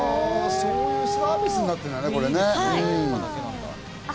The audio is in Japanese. そういうサービスになってるんだね。